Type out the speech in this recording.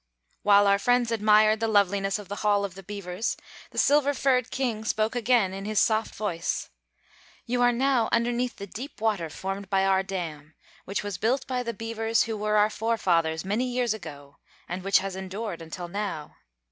While our friends admired the loveliness of the Hall of the Beavers, the silver furred King spoke again, in his soft voice: "You are now underneath the deep water formed by our dam, which was built by the beavers who were our forefathers many years ago, and which has endured until now.